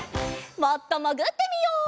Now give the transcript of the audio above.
もっともぐってみよう。